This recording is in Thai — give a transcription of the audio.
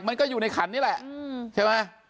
มันก็อยู่ในขันนี่แหละใช่ไหม